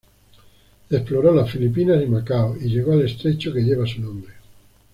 Exploró las Filipinas y Macao, y llegó al estrecho que lleva su nombre.